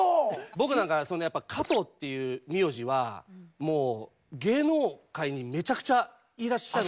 僕なんか「加藤」っていう名字はもう芸能界にめちゃくちゃいらっしゃる。